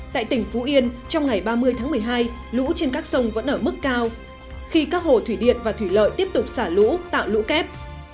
tại tỉnh phú yên trong ngày ba mươi tháng một mươi hai lũ trên các sông vẫn ở mức cao khi các hồ thủy điện và thủy lợi tiếp tục xả lũ tạo lũ kép